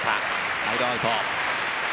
サイドアウト。